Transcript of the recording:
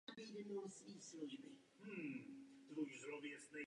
Obrněný transportér byl v mnoha verzích ve výzbroji Československé lidové armády.